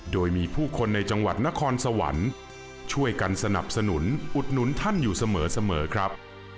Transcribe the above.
โดยมีผู้คนในจังหวัดนครสวรรค์ช่วยกันสนับสนุนอุดหนุนท่านอยู่เสมอครับ